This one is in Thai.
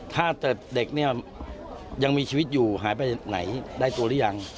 ถ้าแต่เด็กเนี่ยยังมีชีวิตอยู่หายไปไหนได้ตัวหรือยัง